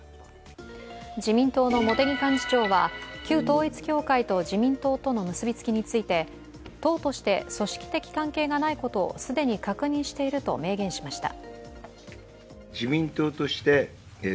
自民党の茂木幹事長は旧統一教会と自民党との結びつきについて党として組織的関係がないことを既に確認していると明言しました。